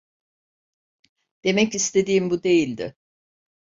Demek istediğim bu değildi.